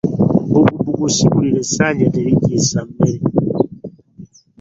Bbugubugu simuliro essanja teligisa mmere.